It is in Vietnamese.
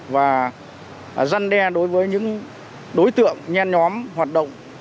và răn đe đối với những đối tượng nhen nhóm hoạt động